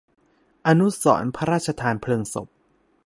อนุสรณ์พระราชทานเพลิงศพ